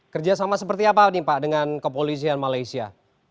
kerjasama seperti apa nih pak dengan kepolisian malaysia